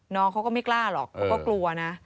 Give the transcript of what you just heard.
น้องเขาก็ไม่กล้าหรอกเขาก็กลัวนะ